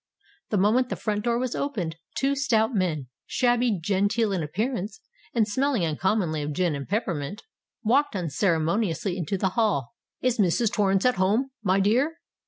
The moment the front door was opened, two stout men, shabby genteel in appearance, and smelling uncommonly of gin and peppermint, walked unceremoniously into the hall. "Is Mrs. Torrens at home, my dear?"